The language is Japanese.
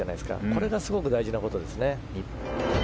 これがすごく大事なことですね。